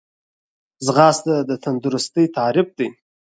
ځغاسته د تندرستۍ تعریف دی